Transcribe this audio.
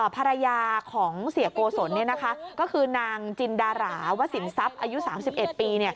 ภรรยาของเสียโกศลก็คือนางจินดาราวสินทรัพย์อายุ๓๑ปี